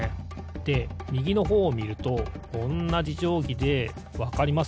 でみぎのほうをみるとおんなじじょうぎでわかります？